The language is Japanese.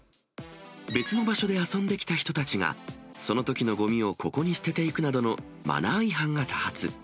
別の場所で遊んできた人たちが、そのときのごみをここに捨てていくなどのマナー違反が多発。